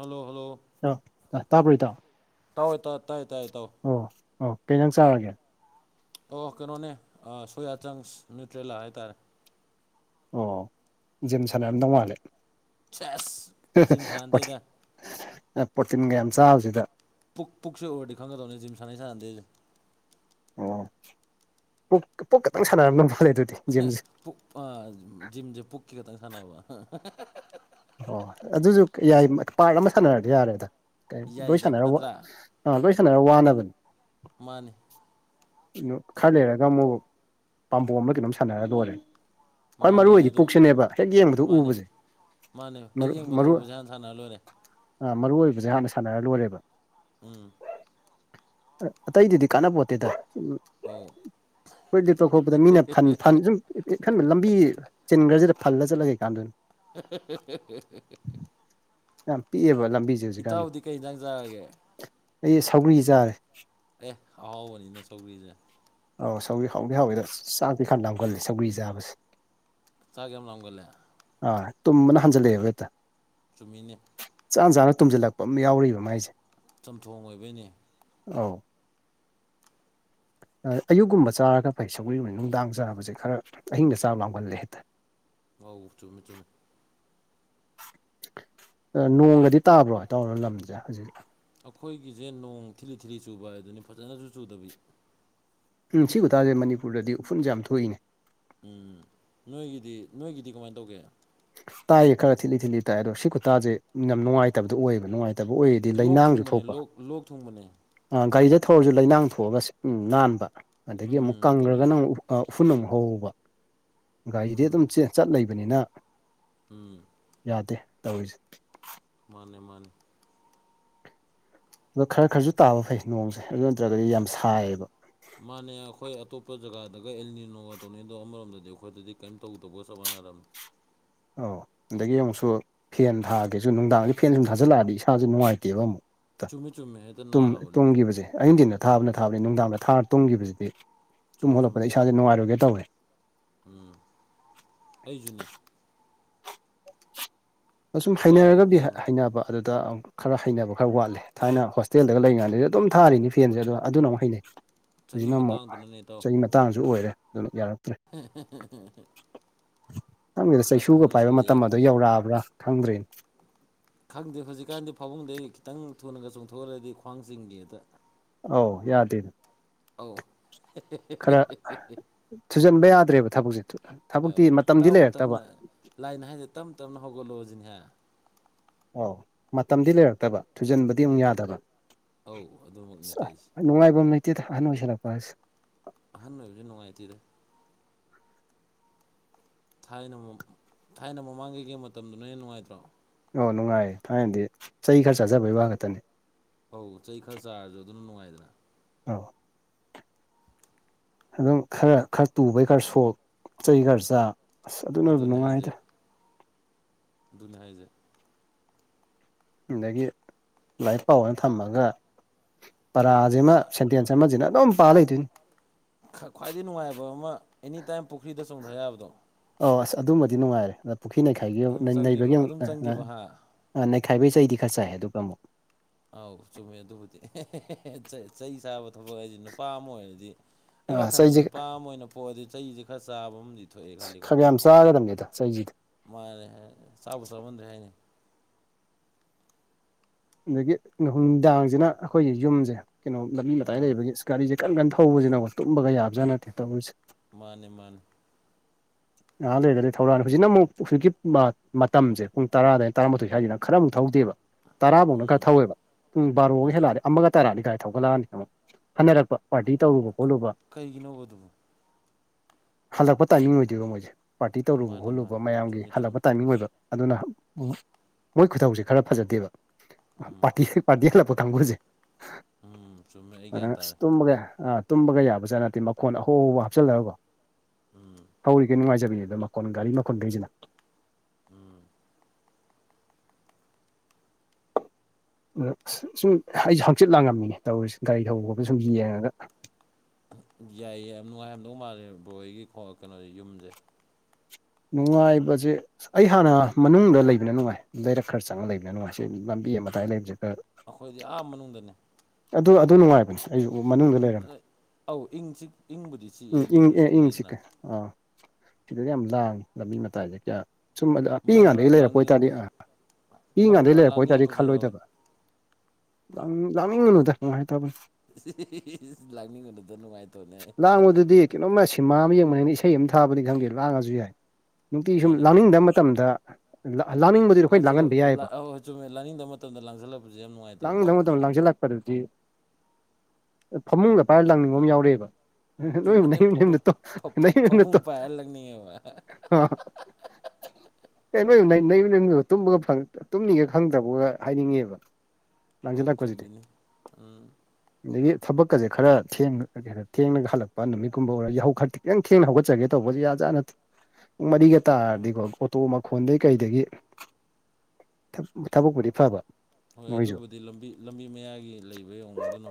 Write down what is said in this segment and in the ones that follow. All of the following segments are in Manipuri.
ꯍꯜꯂꯣ ꯍꯜꯂꯣ ꯑ ꯇꯥꯕ꯭ꯔꯣ ꯏꯇꯥꯎ ꯇꯋꯦ ꯏꯇꯥꯎ ꯇꯥꯏ ꯇꯥꯏ ꯏꯇꯥꯎ ꯑꯣ ꯑꯣ ꯀꯩ ꯍꯦꯟꯖꯥꯡ ꯆꯥꯔꯒꯦ ꯑꯣ ꯀꯩꯅꯣꯅꯦ ꯁꯣꯌꯥ ꯆꯪꯁ ꯅꯌꯨꯇ꯭ꯔꯦꯂꯥ ꯍꯥꯏꯇꯥꯔꯦ ꯑꯣ ꯖꯤꯝ ꯁꯥꯟꯅꯔꯝꯗꯧ ꯃꯥꯜꯂꯦ ꯁꯦꯁ ꯖꯤꯝ ꯄ꯭ꯔꯣꯇꯤꯟ ꯁꯥꯟꯅꯗꯦꯗ ꯄ꯭ꯔꯣꯇꯤꯟꯒ ꯌꯥꯝ ꯆꯥꯕꯁꯤꯗ ꯄꯨꯛ ꯄꯨꯛꯁꯦ ꯎꯔꯗꯤ ꯈꯪꯒꯗꯧꯅꯤ ꯖꯤꯝ ꯁꯥꯅꯩ ꯁꯥꯟꯅꯗꯦꯁꯦ ꯑꯣ ꯄꯨꯛ ꯄꯨꯛꯈꯛꯇꯪ ꯁꯥꯟꯅꯔꯝꯗꯣ ꯃꯥꯜꯂꯦ ꯑꯗꯨꯗꯤ ꯖꯤꯝꯁꯦ ꯖꯤꯝꯁꯦ ꯄꯨꯛꯀꯤ ꯈꯇꯪ ꯁꯥꯟꯅꯕ ꯑꯣ ꯑꯗꯨꯁꯨ ꯌꯥꯏ ꯄꯥꯔꯠ ꯑꯃ ꯁꯥꯟꯅꯔꯗꯤ ꯌꯥꯔꯦꯗ ꯌꯥꯏꯗ ꯂꯣꯏꯁꯥꯟꯅꯔ ꯅꯠꯇ꯭ꯔꯥ ꯑꯥ ꯂꯣꯏꯁꯥꯅꯔ ꯋꯥꯅꯕꯅꯤ ꯃꯥꯅꯤ ꯈꯔ ꯂꯩꯔꯒ ꯑꯃꯨꯛ ꯄꯥꯝꯕꯣꯝꯂ ꯀꯩꯅꯣꯝ ꯁꯥꯟꯅꯔ ꯂꯣꯏꯔꯦ ꯈꯋꯥꯏ ꯃꯔꯨ ꯃꯥꯅꯦ ꯑꯣꯏꯗꯤ ꯑꯗꯣ ꯄꯨꯛꯁꯤꯅꯦꯕ ꯍꯦꯛ ꯌꯦꯡꯕꯗꯣ ꯃꯥꯅꯦ ꯎꯕꯁꯦ ꯃꯥꯅꯦ ꯍꯦꯛ ꯌꯦꯡꯕꯗ ꯎꯕꯁꯦ ꯍꯥꯟꯅ ꯁꯥꯟꯅꯔ ꯂꯣꯏꯔꯦ ꯑ ꯃꯔꯨ ꯑꯣꯏꯕꯁꯦ ꯍꯥꯟꯅ ꯁꯥꯟꯅꯔ ꯂꯣꯏꯔꯦꯕ ꯎꯝ ꯑꯇꯩꯗꯨꯗꯤ ꯀꯥꯟꯅꯕ ꯄꯣꯠꯇꯦꯗ ꯁꯨꯝ ꯑꯧ ꯐꯨꯔꯤꯠ ꯂꯤꯠꯄꯥ ꯈꯣꯠꯄꯗ ꯃꯤꯅ ꯐꯟ ꯐꯟ ꯁꯨꯝ ꯄꯤꯛꯊꯟꯅ ꯂꯝꯕꯤ ꯆꯤꯟꯈ꯭ꯔꯁꯤꯗ ꯐꯜꯂ ꯆꯠꯂꯒ ꯀꯩ ꯀꯥꯟꯅꯗꯣꯏꯅꯣ [unintelligible] ꯌꯥꯝ ꯄꯤꯛꯑꯦꯕ ꯂꯝꯕꯤꯁꯦ ꯍꯧꯖꯤꯛꯀꯥꯟꯗ ꯏꯇꯥꯎꯗꯤ ꯀꯩ ꯏꯟꯖꯥꯡ ꯆꯥꯔꯒꯦ ꯑꯩ ꯁꯧꯒ꯭ꯔꯤ ꯆꯥꯔꯦ ꯑꯦ ꯑꯍꯥꯎꯕꯅꯤꯅꯦ ꯁꯧ꯭ꯒꯔꯤꯁꯦ ꯑꯧ ꯁꯧꯒꯔꯤ ꯍꯥꯎꯗꯤ ꯍꯥꯎꯋꯤꯗ ꯆꯥꯛꯗꯤ ꯈꯔ ꯂꯝꯒꯜꯂꯤ ꯁꯧꯒꯔꯤ ꯆꯥꯕꯁꯦ ꯆꯥꯛ ꯌꯥꯝ ꯂꯥꯝꯒꯜꯂꯦ ꯑ ꯇꯨꯝꯕꯅ ꯍꯟꯖꯤꯜꯂꯛꯑꯦꯕ ꯍꯦꯛꯗ ꯆꯨꯝꯃꯤꯅꯦ ꯆꯥꯅ ꯆꯥꯅ ꯇꯨꯝꯁꯤꯜꯂꯛꯄ ꯑꯃ ꯌꯥꯎꯔꯤꯕ ꯃꯥꯏꯁꯦ ꯆꯝꯊꯣꯡ ꯑꯣꯏꯕꯩꯅꯤ ꯑꯧ ꯑꯌꯨꯛꯀꯨꯝꯕ ꯆꯔꯒ ꯐꯩ ꯁꯧꯒ꯭ꯔꯤꯒꯨꯝꯕꯁꯤ ꯅꯨꯡꯗꯥꯡ ꯆꯥꯕꯁꯦ ꯈꯔ ꯑꯍꯤꯡꯗ ꯆꯥꯛ ꯂꯥꯝꯒꯜꯂꯦ ꯍꯦꯛꯇ ꯑꯥꯎ ꯆꯨꯝꯃꯦ ꯆꯨꯝꯃꯦ ꯅꯣꯡꯒꯗꯤ ꯇꯥꯕ꯭ꯔꯣ ꯏꯇꯥꯎ ꯍꯣꯏ ꯂꯝꯁꯦ ꯍꯧꯖꯤꯛ ꯑꯩꯈꯣꯏꯒꯤꯁꯦ ꯅꯣꯡ ꯊꯤꯂꯤ ꯊꯤꯂꯤ ꯆꯨꯕ ꯍꯥꯏꯗꯨꯅꯤ ꯐꯖꯅꯁꯨ ꯆꯨꯗꯕꯤ ꯎꯝ ꯁꯤꯈꯨꯇꯥꯥꯁꯦ ꯃꯅꯤꯄꯨꯔꯗꯗꯤ ꯎꯐꯨꯟꯁꯦ ꯌꯥꯝ ꯊꯣꯛꯏꯅꯦ ꯎꯝ ꯅꯣꯏꯒꯤꯗꯤ ꯅꯣꯏꯒꯤꯗꯤ ꯀꯃꯥꯏꯅ ꯇꯧꯒꯦ ꯇꯥꯏꯌꯦ ꯈꯔ ꯊꯤꯠꯂꯤ ꯊꯤꯠꯂꯤ ꯇꯥꯏ ꯑꯗꯣ ꯁꯤ ꯈꯨꯠꯇꯥꯥꯁꯦ ꯌꯥꯝ ꯅꯨꯡꯉꯥꯏꯇꯕꯗꯣ ꯑꯣꯏꯕ ꯅꯨꯡꯉꯥꯏꯇꯦ ꯐꯠꯇꯕ ꯑꯣꯏꯔꯗꯤ ꯂꯣꯛ ꯂꯩꯅꯥꯡꯁꯨ ꯊꯨꯡꯕꯅꯦ ꯊꯣꯛꯄ ꯂꯣꯛ ꯂꯣꯛ ꯊꯨꯡꯕꯅꯦ ꯒꯥꯔꯤꯗ ꯊꯧꯔꯁꯨ ꯂꯩꯅꯥꯡ ꯊꯣꯛꯑꯒ ꯑꯝ ꯅꯥꯟꯕ ꯑꯗꯒꯤ ꯑꯃꯨꯛ ꯎꯝ ꯀꯪꯈ꯭ꯔꯒꯅꯥ ꯇꯧꯕꯅꯦ ꯑꯃꯨꯛ ꯎꯐꯨꯟ ꯑꯗꯨꯝ ꯍꯧꯕ ꯒꯥꯔꯤꯗꯤ ꯑꯗꯨꯝ ꯎꯝ ꯆꯠ ꯂꯩꯕꯅꯤꯅ ꯎꯝ ꯌꯥꯗꯦ ꯇꯧꯔꯤꯁꯦ ꯃꯥꯅꯦ ꯃꯥꯅꯦ ꯑꯗꯣ ꯈꯔ ꯈꯔꯁꯨ ꯇꯥꯕ ꯐꯩ ꯅꯣꯡꯁꯦ ꯑꯗꯨ ꯅꯠꯇ꯭ꯔꯒꯗꯤ ꯌꯥꯝ ꯁꯥꯏꯌꯦꯕ ꯃꯥꯅꯦ ꯑꯩꯈꯣꯏ ꯑꯇꯣꯞꯄ ꯖꯒꯥꯗꯒ ꯑꯦꯜꯅꯤꯅꯣꯋꯥ ꯇꯧꯅꯤ ꯑꯗꯣ ꯑꯃꯔꯣꯝꯗꯗꯤ ꯑꯩꯈꯣꯏꯗꯗꯤ ꯀꯔꯤꯝ ꯇꯧꯗꯧꯕꯒ ꯆꯞ ꯃꯥꯟꯅꯔꯝꯃꯤ ꯑꯣ ꯑꯗꯒꯤ ꯑꯃꯨꯛꯁꯨ ꯐꯦꯟ ꯊꯥꯒꯦꯁꯨ ꯅꯨꯡꯗꯥꯡꯗꯤ ꯐꯦꯟ ꯁꯨꯝ ꯊꯥꯖꯤꯜꯂꯛꯑꯗꯤ ꯏꯁꯥꯥꯁꯦ ꯅꯨꯡꯉꯥꯏꯇꯦꯕ ꯑꯃꯨꯛ ꯆꯨꯝꯃꯤ ꯆꯨꯝꯃꯤ ꯍꯦꯛꯇ ꯅꯥꯕꯅꯦ ꯇꯣꯡꯈꯤꯕꯁꯦ ꯑꯤꯡꯗꯤꯟ ꯅꯦ ꯊꯥꯕꯅ ꯊꯥꯕꯅꯤ ꯅꯨꯡꯗꯥꯡꯗ ꯊꯥꯔ ꯇꯨꯝꯈꯤꯕꯁꯤꯗꯤ ꯇꯨꯝ ꯆꯨꯝꯃꯤ ꯆꯨꯝꯃꯤ ꯍꯣꯂꯛꯄꯗ ꯏꯁꯥꯥꯁꯦ ꯅꯨꯡꯉꯥꯏꯔꯣꯏꯒꯦ ꯇꯧꯋꯦ ꯎꯝ ꯑꯩꯁꯨꯨꯅꯤ ꯑꯁꯨꯝ ꯍꯛꯆꯥꯡꯁꯦ ꯍꯩꯅꯔꯒꯗꯤ ꯀꯌꯥ ꯅꯨꯡꯉꯥꯏ ꯍꯩꯅꯕ ꯑꯗꯨꯗ ꯈꯔ ꯍꯩꯅꯕ ꯈꯔ ꯋꯥꯠꯂꯦ ꯊꯥꯏꯅ ꯍꯣꯁꯇꯦꯜꯗꯒ ꯂꯩꯔꯤꯉꯥꯟꯗꯗꯤ ꯑꯗꯨꯝ ꯊꯥꯔꯤꯅꯤ ꯐꯦꯟꯁꯦ ꯑꯗꯣ ꯑꯗꯨꯅ ꯑꯃꯨꯛ ꯍꯩꯅꯩ ꯆꯍꯤ ꯍꯧꯖꯤꯛꯅ ꯑꯃꯨꯛ ꯃꯇꯥꯡꯗꯨꯅꯅꯦ ꯆꯍꯤ ꯃꯇꯥꯡꯁꯨ ꯑꯣꯏꯔꯦ ꯑꯗꯨꯅ ꯌꯥꯔꯛꯇ꯭ꯔꯦ ꯍꯦ ꯍꯦ ꯍꯦ ꯈꯪꯗꯦꯗ ꯆꯩꯁꯨꯒ ꯄꯥꯏꯕ ꯑꯣꯏꯁꯜꯂꯛꯑꯦ ꯃꯇꯝ ꯑꯗꯨꯗꯣ ꯑꯩꯈꯣꯏꯁꯦ ꯌꯧꯔꯛꯑꯕ꯭ꯔꯥ ꯈꯪꯗ꯭ꯔꯦꯅꯦ ꯈꯪꯗꯦ ꯍꯧꯖꯤꯛꯀꯥꯟꯗꯤ ꯐꯥꯕꯨꯡꯗꯩ ꯈꯤꯇꯪ ꯊꯨꯅꯒ ꯆꯣꯡꯊꯣꯛꯍꯜꯂꯗꯤ ꯈ꯭ꯋꯥꯡ ꯆꯤꯡꯉꯦ ꯍꯦꯛꯇ ꯑꯧ ꯌꯥꯗꯦ ꯑꯧ [unintelligible] ꯊꯨꯖꯤꯟꯕ ꯌꯥꯗ꯭ꯔꯦꯕ ꯊꯕꯛꯁꯦ ꯊꯕꯛꯇꯤ ꯃꯇꯝꯗꯤ ꯇꯞ ꯂꯩꯔꯛꯇꯕ ꯇꯞꯅ ꯂꯥꯏꯅ ꯍꯥꯏꯁꯦ ꯇꯞ ꯇꯞꯅ ꯍꯧꯒꯠꯂꯛꯑꯣꯁꯤꯅꯦꯍꯦ ꯑꯧ ꯃꯇꯝꯗꯤ ꯂꯩꯔꯛꯇꯕ ꯊꯨꯖꯟꯕꯗꯤ ꯑꯃꯨꯛ ꯌꯥꯗꯕ ꯑꯧ ꯑꯗꯨꯃꯛꯅꯦ ꯑꯁ ꯇꯧꯔꯤꯁꯦ ꯅꯨꯡꯉꯥꯏꯕꯝ ꯂꯩꯇꯦꯗ ꯑꯍꯟ ꯑꯣꯏꯁꯤꯜꯂꯛꯄ ꯑꯁꯤ ꯑꯍꯟ ꯑꯣꯏꯕꯁꯤ ꯅꯨꯡꯉꯥꯏꯇ‌ꯦꯗ ꯊꯥꯏꯅꯒꯨꯝ ꯊꯥꯏꯅ ꯃꯃꯥꯡꯉꯩꯒꯤ ꯃꯇꯝꯗꯨꯅ ꯍꯦꯟꯅ ꯅꯨꯡꯉꯥꯏꯇ꯭ꯔꯣ ꯑꯣ ꯅꯨꯡꯉꯥꯏꯌꯦ ꯊꯥꯏꯅꯗꯤ ꯆꯩ ꯈꯔꯥ ꯆꯖꯕꯩ ꯋꯥ ꯈꯛꯇꯅꯦ ꯑꯧ ꯆꯩ ꯈꯔ ꯆꯥꯔꯁꯨ ꯑꯗꯨꯅ ꯅꯨꯡꯉꯥꯏꯗꯅ ꯑꯎ ꯑꯗꯨꯝ ꯈꯔ ꯈꯔ ꯇꯨꯕꯩ ꯈꯔ ꯁꯣꯛ ꯆꯩ ꯈꯔ ꯆꯥ ꯑꯁ ꯑꯗꯨꯅꯕꯨ ꯑꯗꯨꯅꯦ ꯍꯥꯏꯁꯦ ꯅꯨꯡꯉꯥꯏꯗ ꯑꯗꯨꯅꯤꯢ ꯍꯥꯏꯁꯦ ꯑꯗꯒꯤ ꯂꯥꯏꯔꯤꯛ ꯄꯥꯎ ꯑꯣꯅ ꯊꯝꯃꯒ ꯄꯔꯥꯁꯤꯃ ꯁꯦꯟꯇꯦꯟꯁ ꯑꯃꯁꯤꯅ ꯑꯗꯨꯝ ꯄꯥ ꯂꯩꯗꯣꯏꯅꯤ ꯈ ꯈ꯭ꯋꯥꯏꯗꯒꯤ ꯅꯨꯡꯉꯥꯏꯕ ꯑꯃ ꯑꯦꯅꯤꯇꯥꯏꯝ ꯄꯨꯈ꯭ꯔꯤꯗ ꯆꯣꯡꯊ ꯌꯥꯕꯗꯣ ꯑꯧ ꯑꯁ ꯑꯗꯨꯝꯕꯗꯤ ꯅꯨꯡꯉꯥꯏꯔꯦ ꯑꯗ ꯄꯨꯈ꯭ꯔꯤ ꯅꯩꯈꯥꯏꯒꯤ ꯑꯃꯨꯛ ꯑꯗꯨꯝ ꯆꯪꯈꯤꯕ ꯅꯩꯕꯒꯤꯃꯨꯛ ꯑꯗꯨꯝ ꯆꯪꯈꯤꯕ ꯍꯥ ꯑ ꯅꯩꯈꯥꯏꯕ ꯆꯩꯗꯤ ꯈꯔ ꯆꯥꯏ ꯑꯗꯨꯒ ꯑꯃꯨꯛ ꯑꯥꯎ ꯆꯨꯝꯃꯦ ꯑꯗꯨꯕꯨꯗꯤ ꯆꯩ ꯆꯥꯕ ꯊꯕꯛ ꯍꯥꯏꯁꯦ ꯅꯨꯄꯥ ꯑꯃ ꯑꯣꯏꯔꯗꯤ ꯑꯩ ꯑ ꯋꯥꯈꯟꯗꯗꯤ ꯆꯩꯁꯦ ꯅꯨꯄꯥ ꯑꯃ ꯑꯣꯏꯅ ꯄꯣꯛꯑꯗꯤ ꯆꯩꯁꯤ ꯈꯔ ꯆꯥꯕ ꯑꯃꯗꯤ ꯊꯣꯛꯑꯦ ꯈꯜꯂꯤꯀꯣ ꯈꯔ ꯌꯥꯝ ꯆꯥꯒꯗꯕꯅꯦꯗ ꯆꯩꯖꯤꯗꯤ ꯃꯥꯅꯦ ꯍꯥꯏ ꯆꯥꯕꯨ ꯆꯥꯃꯟꯗ꯭ꯔꯦ ꯍꯥꯏꯅꯤ ꯑꯗꯒꯤ ꯅꯨꯡꯗꯥꯡꯁꯤꯅ ꯑꯩꯈꯣꯏꯒꯤ ꯌꯨꯝꯁꯦ ꯀꯩꯅꯣ ꯂꯝꯕꯤ ꯃꯇꯥꯏ ꯑꯥ ꯂꯩꯕꯒꯤ ꯒꯥꯔꯤꯁꯦ ꯀꯟ ꯀꯟ ꯊꯧꯕꯁꯤꯅ ꯇꯨꯝꯕꯒ ꯌꯥꯕꯖꯥꯠ ꯅꯠꯇꯦ ꯇꯧꯔꯤꯁꯦ ꯃꯥꯅꯦ ꯃꯥꯥꯅꯦ ꯉꯍꯥꯛ ꯂꯩꯔꯒꯗꯥ ꯊꯧꯔꯛꯑꯅꯤ ꯍꯧꯖꯤꯛꯅ ꯑꯃꯨꯛ ꯍꯧꯖꯤꯛꯀꯤ ꯃꯇꯝꯁꯦ ꯄꯨꯡ ꯇꯔꯥ ꯑꯗꯨꯋꯥꯏ ꯇꯔꯥꯃꯥꯊꯣꯏ ꯍꯥꯏꯗꯅ ꯈꯔ ꯑꯃꯨꯛ ꯊꯧꯗꯦꯕ ꯇꯔꯥꯃꯨꯛꯅ ꯎꯝ ꯈꯔ ꯊꯧꯋꯦꯕ ꯄꯨꯡ ꯕꯥꯔꯣꯒ ꯎꯝ ꯍꯦꯟꯂꯛꯑꯗꯤ ꯑꯃꯒ ꯇꯔꯛꯑꯗꯤ ꯊꯒꯠꯂꯛꯑꯅꯤ ꯍꯟꯅꯔꯛꯄ ꯄꯥꯔꯇꯤ ꯇꯧꯔꯨꯕ ꯑꯣꯠꯂꯨꯕ ꯀꯩꯒꯤꯅꯣꯕ ꯑꯗꯨꯕꯨ ꯍꯜꯂꯛꯄ ꯇꯥꯏꯃꯤꯡ ꯑꯣꯏꯗꯣꯏꯕ ꯃꯣꯏꯁꯦ ꯄꯥꯔꯇꯤ ꯇꯧꯔꯨꯕ ꯃꯥꯅꯦ ꯈꯣꯠꯂꯨꯕ ꯃꯥꯅꯦ ꯃꯌꯥꯝꯒꯤ ꯆꯨꯝꯃꯤ ꯍꯜꯂꯛꯄ ꯆꯨꯝꯃꯤ ꯇꯥꯏꯃꯤꯡ ꯑꯣꯏꯕ ꯑꯗꯨꯅ ꯃꯣꯏ ꯈꯨꯊꯧꯁꯦ ꯈꯔ ꯐꯖꯗꯦꯕ ꯎꯝ ꯄꯥꯔꯇꯤ ꯄꯥꯔꯇꯤ ꯍꯜꯂꯛꯄ ꯀꯥꯡꯕꯨꯁꯦ ꯎꯝ ꯆꯨꯝꯃꯦ ꯑꯩ ꯒ꯭ꯌꯥꯟ ꯑꯁ ꯇꯥꯔꯦ ꯇꯨꯝꯕꯒ ꯑꯥ ꯇꯨꯝꯕꯒ ꯌꯥꯕ ꯖꯥꯠ ꯅꯠꯇꯦ ꯃꯈꯣꯟ ꯑꯍꯧ ꯑꯍꯧꯕ ꯍꯥꯞꯆꯤꯜꯂꯒꯀꯣ ꯎꯝ ꯍꯧꯔꯤꯒꯦ ꯅꯨꯡꯉꯥꯏꯖꯕꯅꯦꯗ ꯃꯈꯣꯟ ꯒꯥꯔꯤ ꯃꯈꯣꯟꯈꯩꯁꯤꯅ ꯎꯝ ꯑꯗ ꯑꯁ ꯁꯨꯝ ꯑꯩꯁ‌ꯦ ꯍꯪꯆꯤꯠ ꯂꯥꯡꯉꯝꯃꯤꯅꯦ ꯇꯧꯔꯤꯁꯦ ꯒꯥꯔꯤ ꯊꯧꯕ ꯈꯣꯕ ꯁꯨꯝ ꯌꯦꯡꯉꯒ ꯌꯥꯏꯌꯦ ꯌꯥꯝ ꯅꯨꯡꯉꯥꯏꯍꯝꯗꯧ ꯃꯥꯜꯂꯦ ꯕꯣꯔ ꯍꯣꯌ ꯌꯨꯝꯁꯦ ꯅꯨꯡꯉꯥꯏꯕꯁꯦ ꯑꯩ ꯍꯥꯟꯅ ꯃꯅꯨꯡꯗ ꯂꯩꯕꯅ ꯅꯨꯡꯉꯥꯏ ꯂꯩꯔꯛ ꯈꯔ ꯆꯪꯉꯒ ꯂꯩꯕꯅ ꯅꯨꯡꯉꯥꯏ ꯁꯤ ꯂꯝꯕꯤ ꯃꯇꯥꯏ ꯂꯩꯕꯁꯤ ꯈꯔ ꯑꯩꯈꯣꯏꯗꯤ ꯑꯥ ꯃꯅꯨꯡꯗꯅꯦ ꯑꯗꯨ ꯑꯗꯨ ꯅꯨꯡꯉꯥꯏꯕꯅꯤ ꯑꯩꯁꯨ ꯃꯅꯨꯡꯗ ꯂꯩꯔꯝꯃꯦ ꯑꯧ ꯏꯪ ꯆꯤꯛ ꯏꯪꯕꯨꯗꯤ ꯎꯝ ꯆꯤꯛꯑꯦ ꯏꯪ ꯑꯗꯨꯏꯁꯨ ꯑꯦ ꯁꯨꯝ ꯏꯪ ꯂꯩꯗꯅ ꯆꯤꯛꯑꯦ ꯑꯥ ꯁꯤꯗꯗꯤ ꯌꯥꯝ ꯂꯥꯡꯉꯦ ꯂꯝꯕꯤ ꯃꯇꯥꯏꯁꯦ ꯀꯌꯥ ꯁꯨꯝ ꯑꯗ ꯃꯔꯛ ꯄꯤꯉꯩꯗꯒꯤ ꯃꯔꯛ ꯂꯩꯔꯛꯄ ꯑꯣꯏꯇꯥꯔꯗꯤ ꯂꯥꯡꯅꯤꯡꯉꯛꯄ ꯑꯥ ꯃꯔꯛ ꯄꯤꯉꯥꯟꯗꯒꯤ ꯃꯔꯛ ꯂꯩꯔꯛꯄ ꯑꯣꯏꯇꯥꯥꯔꯗꯤ ꯂꯥꯡꯅꯤꯡꯉꯛꯄꯁꯨ ꯌꯥꯎꯋꯦ ꯈꯜꯂꯣꯏꯗꯕ [unintelligible] ꯅꯨꯉꯥꯏꯇꯕꯅꯤ ꯂꯥꯡꯅꯤꯡꯎꯅꯨꯗ ꯅꯨꯡꯉꯥꯏ ꯇꯕꯅꯦ ꯂꯥꯡꯕꯗꯨꯗꯤ ꯀꯩꯅꯣꯝꯃ ꯁꯤꯃꯥ ꯑꯃ ꯌꯦꯡꯕꯅꯤꯅ ꯏꯁꯩ ꯑꯃ ꯊꯥꯕꯗꯤ ꯈꯪꯗꯦ ꯂꯥꯡꯉꯁꯨ ꯌꯥꯏ ꯅꯨꯡꯇꯤ ꯁꯨꯝ ꯃꯥꯅꯦ ꯂꯥꯡꯅꯤꯡꯗꯕ ꯃꯇꯝ ꯇꯝꯗ ꯂꯥꯡꯅꯤꯡꯕꯗ ꯂꯜꯂꯛ ꯑꯣꯏ ꯆꯨꯝꯃꯦ ꯂꯥꯅꯤꯡꯗꯕ ꯃꯇꯝꯗ ꯂꯥꯡꯁꯤꯜꯂꯛꯄꯁꯦ ꯌꯥꯝ ꯅꯨꯡꯉꯥꯏꯇꯕꯅꯦ ꯂꯥꯡꯁꯤꯜꯂꯛꯄꯗꯨꯗꯤ ꯐꯃꯨꯡꯒ ꯄꯥꯏꯔ ꯂꯡꯅꯤꯡꯕ ꯑꯃ ꯌꯥꯎꯔꯛꯑꯦꯕ ꯆꯨꯝꯃꯦ ꯐꯃꯨꯡ ꯐꯃꯨꯡ ꯄꯥꯏꯔ ꯂꯪꯅꯤꯡꯉꯦꯕ [unintelligible] ꯑ ꯀꯩꯅꯣ ꯅꯣꯏ ꯅꯌꯨꯝ ꯅꯌꯨꯝꯗꯒ ꯇꯨꯝꯕꯒ ꯇꯨꯝꯅꯤꯒ ꯈꯪꯗꯕꯒ ꯍꯥꯏꯅꯤꯡꯉꯦꯕ ꯫ ꯑꯧ ꯆꯨꯝꯃꯤꯅꯤ ꯎꯝ ꯑꯗꯒꯤ ꯊꯕꯛꯀꯁꯦ ꯈꯔ ꯊꯦꯡꯅ ꯊꯦꯡꯅꯒ ꯍꯜꯂꯛꯄ ꯅꯨꯃꯤꯠꯀꯨꯝꯕ ꯑꯣꯏꯔ ꯌꯥꯍꯧ ꯈꯤꯇꯪ ꯊꯦꯡꯅ ꯍꯧꯒꯠ ꯆꯠꯆꯒꯦ ꯇꯧꯕꯁꯦ ꯌꯥ ꯖꯥꯠ ꯅꯠꯇꯦ ꯄꯨꯡ ꯃꯔꯤꯒ ꯎꯝ ꯇꯥꯔꯗꯤꯀꯣ ꯑꯣꯇꯣ ꯈꯣꯟꯗꯒꯤ ꯀꯩꯗꯒꯤ ꯊꯕꯛꯄꯨꯗꯤ ꯐꯕ ꯍꯣꯏ ꯃꯣꯏꯁꯨ ꯑꯗꯨꯕꯨꯗꯤ ꯂꯝꯕꯤ-ꯂꯝꯕꯤ ꯃꯌꯥꯏꯒꯤ ꯂꯩꯕ ꯌꯦꯡꯉꯨꯗ ꯅ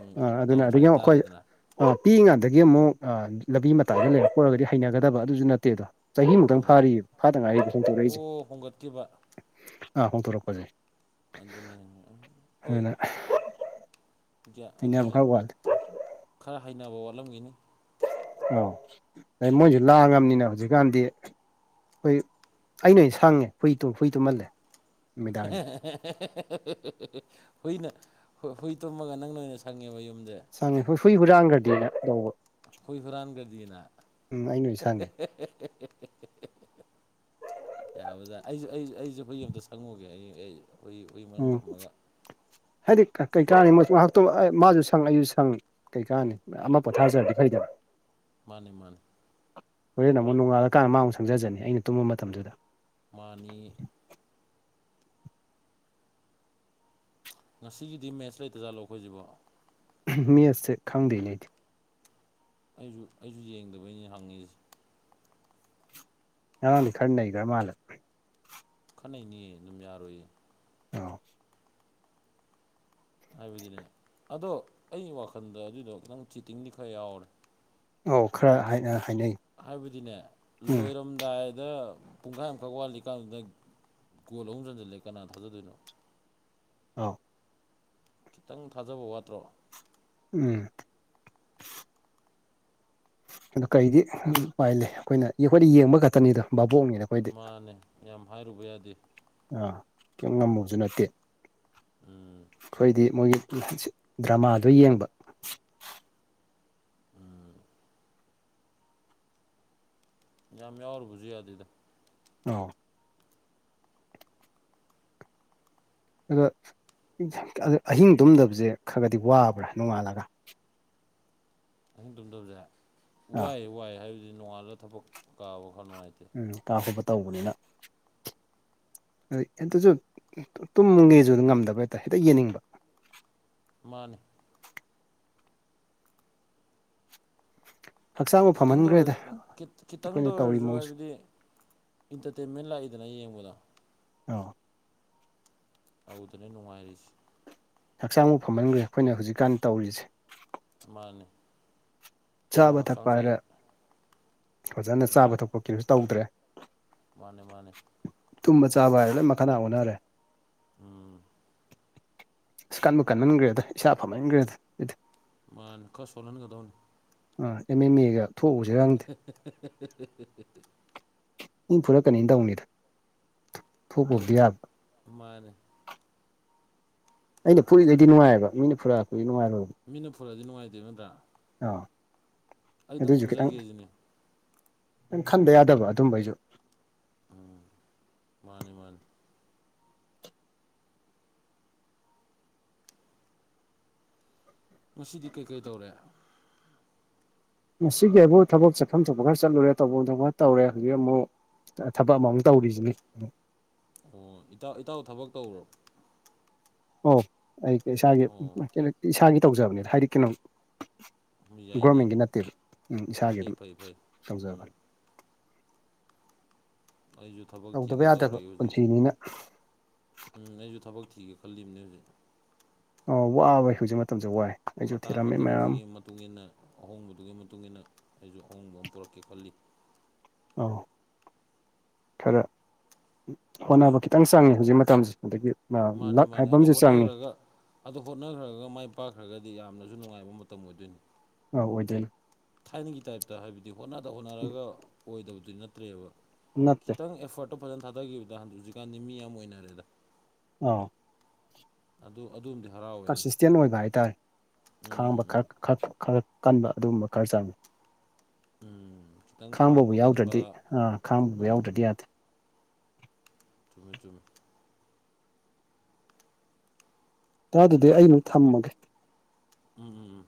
ꯗꯥꯎꯟ ꯁꯥꯏꯠ ꯇꯥꯔꯦꯗꯅ ꯑ ꯄꯤꯛꯏꯉꯥꯗꯒꯤ ꯑꯃꯨꯛ ꯂꯝꯕꯤ ꯃꯇꯥꯏꯗ ꯂꯩꯔꯛꯄ ꯑꯣꯏꯔꯒꯗꯤ ꯍꯩꯅꯒꯗꯕ ꯑꯗꯨꯁꯨ ꯅꯠꯇꯦꯗꯣ ꯆꯍꯤꯃꯨꯛꯇꯪ ꯎꯝ ꯐꯥꯔꯤꯑꯕ ꯐꯥꯗ ꯉꯥꯏ ꯍꯣꯡꯗꯣꯔꯛꯏꯁꯦ ꯑꯣ ꯍꯣꯡꯒꯠꯈꯤꯕ ꯑꯥ ꯍꯣꯡꯇꯣꯔꯛꯄꯁꯦ ꯑꯗꯨꯅꯦꯅꯦ ꯍꯣꯏ ꯑꯗꯨꯅ ꯀꯌꯥ ꯍꯩꯅꯕ ꯑꯗꯨꯅꯦ ꯈꯔ ꯋꯥꯠꯂꯦ ꯈꯔ ꯍꯩꯅꯕ ꯋꯥꯠꯂꯝꯈꯤꯅꯤ ꯑꯧ ꯃꯣꯏꯁꯨ ꯂꯥꯡꯉꯕꯅꯤꯅ ꯍꯧꯖꯤꯛꯀꯥꯟꯗꯤ ꯍꯨꯏ ꯑꯩꯅ ꯑꯣꯏꯅ ꯁꯥꯡꯉꯦ ꯍꯨꯏ ꯍꯨꯏ ꯇꯨꯝꯍꯜꯂꯦ ꯅꯨꯃꯤꯗꯥꯡꯁꯦ [unintelligible] ꯍꯨꯏꯅ ꯍꯨꯏ ꯇꯨꯝꯃꯒ ꯅꯪ ꯅ ꯑꯣꯏꯅ ꯁꯪꯉꯦꯕ ꯌꯨꯝꯁꯦ ꯆꯪꯉꯦ ꯍꯣꯏ ꯍꯨꯏ ꯍꯨꯔꯥꯡꯈ꯭ꯔꯗꯤꯅ ꯇꯧꯕ ꯍꯨꯏ ꯍꯨꯔꯥꯟꯒꯗꯤꯅ ꯎꯝ ꯑꯩꯅ ꯑꯣꯏꯅ ꯍ‌ꯦ ꯁꯪꯉꯦ ꯍ‌ꯦ‌ ꯍ‌ꯦ ꯍ‌ꯦ ꯌꯥꯕꯖꯥ ꯑꯩꯁꯨ ꯑꯩ ꯑꯩꯁꯨ ꯍꯨꯏ ꯑꯃꯇ ꯁꯪꯉꯨꯒꯦ ꯑꯩ ꯑꯩ ꯍꯨꯏ ꯎꯝ [unintelligible] ꯍꯥꯏꯗꯤ ꯀꯩꯀꯥꯅꯩ ꯃꯥꯁꯨ ꯁꯪ ꯑꯩꯁꯨ ꯁꯪ ꯀꯩꯀꯥꯅꯤ ꯑꯃ ꯄꯣꯊꯥꯔꯖꯔꯗꯤ ꯐꯩꯗꯅ ꯃꯥꯅꯦ ꯃꯥꯅꯦ ꯍꯣꯔꯦꯟ ꯅ ꯑꯃꯨꯛ ꯅꯣꯡꯉꯥꯜꯂꯀꯥꯟꯗ ꯃꯥ ꯑꯃꯨꯛ ꯁꯪꯖꯅꯤ ꯑꯩꯅ ꯇꯨꯝꯕ ꯃꯇꯝꯗꯨꯗ ꯃꯥꯅꯤ ꯉꯁꯤꯒꯤꯗꯤ ꯃꯦꯠꯆ ꯂꯩꯇꯖꯥꯠꯂꯣ ꯑꯩꯈꯣꯏꯁꯤꯕꯣ ꯃꯦꯠꯁꯁꯦ ꯈꯪꯗꯦꯅ‌ꯦ ꯑꯩꯗꯤ ꯑꯩꯁꯨ-ꯑꯩꯁꯨ ꯌꯦꯡꯗꯕꯩꯅꯤ ꯍꯪꯉꯤꯁ‌ꯤ ꯉꯔꯥꯡꯗꯤ ꯈꯔ ꯅꯩꯒ꯭ꯔꯃꯥꯜꯂ‌ꯦ ꯈꯔ ꯅꯩꯅꯤꯌꯦ ꯑꯗꯨꯝ ꯌꯥꯔꯣꯏꯌꯦ ꯑꯣ ꯍꯥꯏꯕꯗꯤꯅꯦ ꯑꯗꯣ ꯑꯩ ꯋꯥꯈꯜꯗ ꯑꯗꯨꯏꯗꯣ ꯈꯤꯇꯪ ꯆꯤꯇꯤꯡꯗꯤ ꯈꯔ ꯌꯥꯎꯔꯦ ꯑꯧ ꯈꯔ ꯍꯥꯏ ꯍꯥꯏꯅꯩ ꯍꯥꯏꯕꯗꯤꯅꯦ ꯎꯝ ꯂꯣꯏꯔꯝ ꯂꯗꯥꯏꯗ ꯄꯨꯡꯈꯥꯏꯃꯨꯛ ꯋꯥꯠꯂꯤꯀꯥꯟꯗꯨꯗ ꯒꯣꯜ ꯑꯍꯨꯝ ꯆꯟꯖꯜꯂꯦ ꯀꯅꯥꯅ ꯊꯥꯖꯗꯣꯏꯅꯣ ꯑꯥ ꯈꯤꯇꯪ ꯊꯥꯖꯕ ꯋꯥꯠꯇ꯭ꯔꯣ ꯎꯝ ꯑꯗꯨ ꯀꯔꯤꯗꯤ [unintelligible] ꯎ ꯄꯥꯏ ꯂꯩ ꯑꯩꯈꯣꯏꯅ ꯌꯤꯈꯣꯏꯗꯤ ꯌꯦꯡꯕ ꯈꯛꯇꯅꯤꯗꯣ ꯕꯥꯕꯣꯛꯅꯤꯅ__ ꯃꯥꯅꯦ ꯌꯥꯝ ꯍꯥꯏꯔꯨꯕ ꯌꯥꯗꯦ ꯑꯥ ꯀꯦꯝ ꯉꯝꯃꯨꯕꯁꯨ ꯅꯠꯇꯦ ꯎꯝ ꯑꯩꯈ‌ꯣꯏꯗꯤ ꯃꯣꯏꯒꯤ [unintelligible] ꯗ꯭ꯔꯃꯥꯗꯣ ꯌꯦꯡꯕ ꯎꯝ ꯌꯥꯝ ꯌꯥꯎꯔꯨꯕꯁꯨ ꯌꯥꯗ‌ꯦꯗ ꯅꯣ ꯑꯗꯨ ꯑꯍꯤꯡ ꯇꯨꯝꯗꯕꯁꯦ ꯈꯔ ꯈꯗꯤ ꯋꯥꯕ꯭ꯔꯥ ꯅꯣꯡꯉꯥꯜꯂꯒ ꯑꯍꯤꯡ ꯇꯨꯝꯗꯕꯁꯦ ꯑꯥ ꯋꯥꯏ ꯋꯥꯏ ꯍꯥꯏꯕꯗꯤ ꯅꯣꯡꯉꯥꯜꯂ ꯊꯕꯛ ꯀꯥꯕ ꯈꯔ ꯅꯨꯡꯉꯥꯏꯇꯦ ꯎꯝ ꯇꯥ ꯈ‌ꯣꯠꯄ ꯇꯧꯕꯅꯤꯅ ꯑꯗꯩ ꯑꯗꯨꯁꯨ ꯇꯨꯝꯃꯒꯦꯁꯨ ꯉꯝꯗꯕ ꯍꯦꯛꯇ ꯍꯦꯛꯇ ꯌꯦꯡꯅꯤꯡꯕ ꯃꯥꯅꯦ ꯍꯛꯆꯥꯡꯕꯨ ꯈꯤꯇꯪꯗ ꯐꯝꯍꯟꯈ꯭ꯔꯦꯗ ꯑꯣꯏꯔꯖꯨ [unintelligible] ꯈꯤꯇꯪꯗ ꯑꯩꯈꯣꯏꯅ ꯇꯧꯔꯤ ꯑꯣꯏꯔꯖꯨ ꯃꯑꯣꯡꯁꯦ ꯍꯥꯏꯕꯗꯤ ꯏꯟꯇꯔꯇꯦꯟꯃꯦꯟ ꯂꯥꯛꯏꯗꯅ ꯌꯦꯡꯕꯗ ꯑꯣ ꯑꯗꯨꯗꯅꯦ ꯅꯨꯡꯉꯥꯏꯔꯤꯁꯦ ꯍꯛꯆꯥꯡꯕꯨ ꯐꯃꯟꯈ꯭ꯔꯦ ꯑꯩꯈꯣꯏꯅ ꯍꯧꯖꯤꯛꯀꯥꯟ ꯇꯧꯔꯤꯁꯦ ꯃꯥꯅꯦ ꯈꯔ ꯆꯥꯕ ꯍꯛꯆꯥꯡ ꯊꯛꯄ ꯁꯥꯏ ꯍꯥꯏꯔꯦ ꯐꯖꯅ ꯆꯥꯕ ꯎꯝ ꯊꯛꯄ ꯀ꯭ꯔꯤꯁꯨ ꯇꯧꯗ꯭ꯔꯦ ꯃꯥꯅꯦ ꯃꯥꯅꯦ ꯇꯨꯝꯕ ꯆꯥꯕ ꯍꯥꯏꯔꯦ ꯂꯣꯏ ꯃꯈꯗꯥꯡ ꯑꯣꯟꯅꯔꯦ ꯎꯝ ꯑꯁ ꯀꯟꯕꯨ ꯀꯟꯃꯟꯒ꯭ꯔꯦꯗ ꯏꯁꯥ ꯐꯃꯟꯒ꯭ꯔꯦꯗ ꯃꯥꯅ‌ꯦ ꯈꯔ ꯁꯣꯜꯍꯟꯒꯗꯧꯅꯤ ꯑ ꯑꯦꯝ ꯑꯦꯟ ꯑꯦꯒ ꯊꯣꯛꯎꯁꯤꯔ ꯈꯪꯗꯦ [unintelligible] ꯃꯤ ꯐꯨꯔꯛꯀꯅꯤꯅ ꯇꯧꯅꯤꯗ ꯑꯦ ꯊꯣꯛꯄꯕꯨꯗꯤ ꯌꯥꯕ ꯃꯥꯅꯦ ꯑꯩꯅ ꯐꯨꯔꯤꯉꯩꯗꯤ ꯉꯨꯉꯥꯏꯌꯦꯕ ꯃꯤꯅ ꯐꯨꯔꯛꯑꯗꯤ ꯑꯩ ꯅꯨꯡꯉꯥꯏꯔꯣꯏꯕ ꯃꯤꯅ ꯐꯨꯨꯔꯛꯑꯗꯤ ꯅꯨꯡꯉꯥꯏꯇꯦꯕ ꯅꯠꯇ꯭ꯔꯥ ꯑꯥ ꯑꯩꯗꯪ ꯑꯗꯨꯏꯁꯨ ꯈꯤꯇꯪ ꯐꯨꯖꯒꯦꯁꯤꯅꯦ ꯈꯤꯇꯪ ꯈꯟꯗ ꯌꯥꯗꯕ ꯑꯗꯨꯝꯕꯩꯖꯨ ꯎꯝ ꯃꯥꯅꯤ ꯃꯥꯅꯤ ꯉꯁꯤꯗꯤ ꯀꯩꯀꯩ ꯇꯧꯔꯦ ꯉꯁꯤꯒꯤ ꯍꯥꯏꯕꯨ ꯊꯕꯛ ꯆꯠꯐꯝ ꯊꯣꯛꯄ ꯈꯔ ꯆꯠꯂꯨꯔꯦ ꯇꯧꯐꯝ ꯊ‌ꯣꯛꯄ ꯇꯧꯔꯦ ꯍꯧꯖꯤꯛ ꯑꯃꯨꯛ ꯊꯕꯛ ꯑꯃ ꯃꯨꯛ ꯇꯧꯔꯤꯖꯤꯅꯤ ꯑꯣ ꯏꯇꯥꯎ ꯏꯇꯥꯎ ꯊꯕꯛ ꯇꯧꯔꯣ ꯑꯣ ꯑꯩ ꯏꯁꯥꯒꯤ ꯑꯣ [unintelligible] ꯏꯁꯥꯒꯤ ꯇꯧꯖꯕꯅꯤꯗ ꯍꯥꯏꯗꯤ ꯀꯩꯅꯣ__ ꯌꯥꯏꯅꯦ ꯒꯣꯔꯃꯦꯟꯒꯤ ꯅꯠꯇꯦꯕ ꯎꯝ ꯏꯁꯥꯒꯤ ꯐꯩ ꯑꯗꯨꯝ ꯐꯩ ꯐꯩ ꯎꯝ ꯇꯧꯖꯕꯅꯤ ꯑꯩꯁꯨ ꯊꯕꯛ ꯇꯧꯗꯕ ꯊꯤꯒꯦ ꯌꯥꯗꯕ ꯇꯧꯔꯤꯌ‌‌ꯦ ꯍꯧꯖꯤꯛ ꯄꯨꯟꯁꯤꯅꯤꯅ ꯎꯝ ꯑꯩꯁꯨ ꯊꯕꯛ ꯊꯤꯒꯦ ꯈꯜꯂꯤꯝꯅꯦ ꯍꯧꯖꯤꯛ ꯑꯣ ꯋꯥꯕꯩ ꯍꯧꯖꯤꯛ ꯃꯇꯝꯁꯦ ꯋꯥꯏ ꯑꯩꯁꯨ ꯃꯇꯥꯡ ꯊꯤꯔꯝꯃꯤ ꯃꯌꯥꯝ ꯃꯇꯝꯁꯤꯒꯤ ꯃꯇꯨꯡ ꯏꯟꯅ ꯑꯍꯣꯡꯕꯗꯨꯒꯤ ꯃꯇꯨꯡꯏꯟꯅ ꯑꯩꯁꯨ ꯑꯍꯣꯡꯕ ꯑꯃ ꯄꯨꯔꯛꯀꯦ ꯈꯜꯂꯤ ꯑꯣ ꯈꯔ ꯎꯝ ꯍꯣꯠꯅꯕ ꯈꯤꯇꯪ ꯆꯪꯉꯦ ꯍꯧꯖꯤꯛ ꯃꯇꯝꯁꯦ ꯑꯗꯒꯤ ꯃꯥꯅꯦ ꯂꯛ ꯃꯥꯅꯦ ꯍꯥꯏꯕ ꯑꯗ‌ꯣ ꯑꯃꯁꯨ ꯆꯪꯉꯤ ꯍꯣꯠꯅꯒ꯭ꯔꯒ ꯑꯗꯣ ꯍꯣꯠꯅꯈ꯭ꯔꯒ ꯃꯥꯏ ꯄꯥꯛꯈ꯭ꯔꯒꯗꯤ ꯌꯥꯝꯅꯁꯨ ꯅꯨꯡꯉꯥꯏꯕ ꯃꯇꯝ ꯑꯣꯏꯗꯣꯏꯅꯦ ꯑꯧ ꯑꯣꯏꯗꯣꯏꯅ‌ꯦ ꯊꯥꯏꯅꯒꯤ ꯇꯥꯏꯞꯇ ꯍꯥꯏꯕꯗꯤ ꯍꯣꯠꯅꯗ ꯍꯣꯠꯅꯔꯒ ꯑꯣꯏꯗꯕꯗꯨꯗꯤ ꯅꯠꯇ꯭ꯔꯦꯕ ꯅꯠꯇꯦ ꯈꯤꯇꯪ ꯑꯦꯐꯔꯠꯇꯣ ꯐꯖꯅ ꯊꯥꯗꯈꯤꯕꯗ ꯍꯧꯖꯤꯛꯀꯥꯟꯗꯤ ꯃꯤ ꯌꯥꯝ ꯑꯣꯏꯅꯔꯦꯗ꯫ ꯑ‌ꯣ ꯑꯗꯨ ꯑꯗꯨꯝꯗꯤ ꯍꯔꯥꯎꯏ꯫ ꯀꯟꯁꯤꯁꯇꯦꯟ ꯑꯣꯏꯕ ꯍꯥꯏꯇꯥꯔꯦ ꯎꯝ ꯈꯥꯡꯕ ꯎꯝ ꯈꯔ ꯈꯔ ꯈꯔ ꯀꯟꯕ ꯑꯗꯨꯒꯨꯝꯕ ꯈꯔ ꯆꯪꯏ꯫ ꯎꯝ ꯈꯤꯇꯪ ꯈꯥꯡꯕꯕꯨ ꯈꯥꯡꯕ ꯀꯟꯕ ꯌꯥꯎꯗ꯭ꯔꯗꯤ ꯑꯥ ꯈꯥꯡꯕꯕꯨ ꯎꯝ, ꯌꯥꯎꯗ꯭ꯔꯗꯤ ꯌꯥꯗꯦ ꯆꯨꯝꯃ‌ꯦ-ꯆꯨꯝꯃ‌ꯦ꯫ ꯏꯇꯥꯎ ꯑꯗꯨꯗꯤ ꯑꯩꯩ ꯃꯨꯛꯊꯝꯃꯒꯦ꯫ ꯎꯝ ꯎꯝ ꯎꯝ